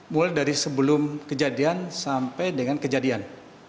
mulai dari sebelum kejadian sampai dengan kejadian